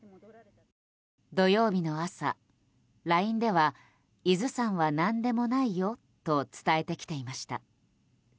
土曜日の朝、ＬＩＮＥでは伊豆山は何でもないよと伝えてきていました。